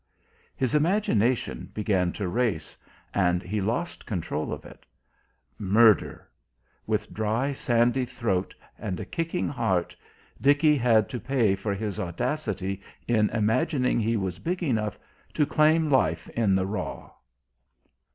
His imagination began to race and he lost control of it. Murder ... with dry, sandy throat and a kicking heart, Dickie had to pay for his audacity in imagining he was big enough to claim life in the raw.